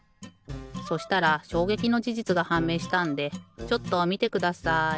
そしたらしょうげきのじじつがはんめいしたんでちょっとみてください。